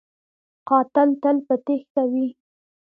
قاتل تل په تیښته وي